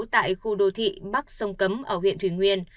tại khu đô thị bắc sông cấm ở huyện thủy nguyên